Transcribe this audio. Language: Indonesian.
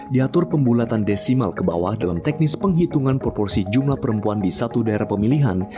diatur pembulatan desimal ke bawah dalam teknis penghitungan proporsi jumlah perempuan di satu daerah pemilihan